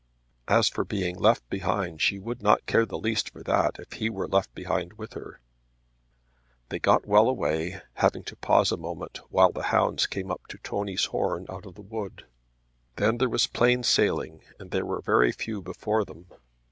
As for being left behind she would not care the least for that if he were left behind with her. They got well away, having to pause a moment while the hounds came up to Tony's horn out of the wood. Then there was plain sailing and there were very few before them.